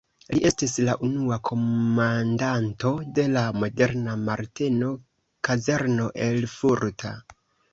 Li estis la unua komandanto de la moderna Marteno-kazerno erfurta.